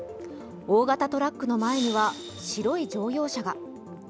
大型トラックの前には白い乗用車が。